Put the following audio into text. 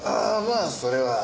あそれは。